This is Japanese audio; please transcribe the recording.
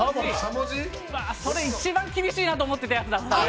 それ一番厳しいなと思っていたやつだったので。